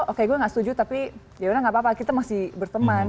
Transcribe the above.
oke gue gak setuju tapi yaudah gak apa apa kita masih berteman